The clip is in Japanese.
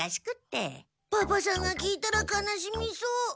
パパさんが聞いたら悲しみそう。